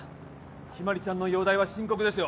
日葵ちゃんの容体は深刻ですよ